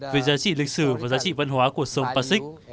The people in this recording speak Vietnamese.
về giá trị lịch sử và giá trị văn hóa của sông passic